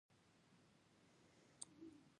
زموږ د کلي کاریز له شمال څخه سرچينه اخيسته.